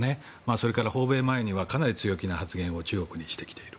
それから訪米前にかなり強気な発言を中国にしてきている。